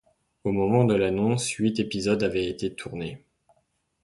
Au moment de l'annonce, huit épisodes avaient été tournés.